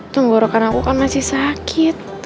tunggu rokan aku kan masih sakit